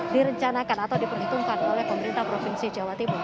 direncanakan atau diperhitungkan oleh pemerintah provinsi jawa timur